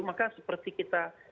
maka seperti kita